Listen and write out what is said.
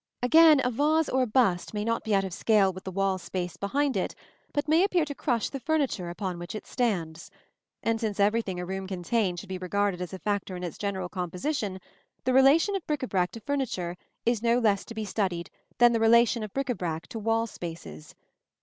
Again, a vase or a bust may not be out of scale with the wall space behind it, but may appear to crush the furniture upon which it stands; and since everything a room contains should be regarded as a factor in its general composition, the relation of bric à brac to furniture is no less to be studied than the relation of bric à brac to wall spaces.